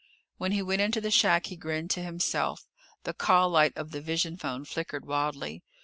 When he went into the shack, he grinned to himself. The call light of the vision phone flickered wildly.